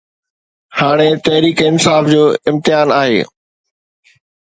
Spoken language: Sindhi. هاڻي تحريڪ انصاف جو امتحان آهي